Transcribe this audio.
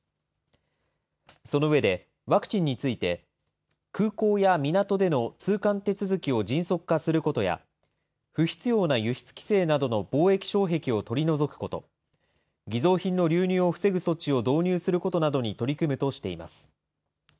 その上で、ワクチンについて、空港や港での通関手続きを迅速化することや、不必要な輸出規制などの貿易障壁を取り除くこと、偽造品の流入を防ぐ措置を導入することなどに取り組むとしています。